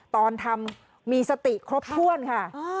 ตอนทำมีสติครบถ้วนค่ะ